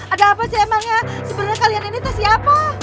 ada apa sih emangnya sebenarnya kalian ini tuh siapa